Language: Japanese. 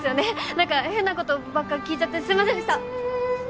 何か変なことばっか聞いちゃってすいませんでした！